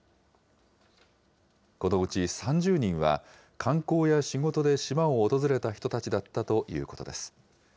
このうち３０人は、観光や仕事で島を訪れた人たちだったということです。